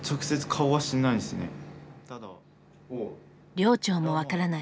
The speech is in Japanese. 寮長も分からない。